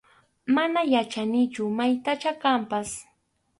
Mana yachanichu maytachá kanpas.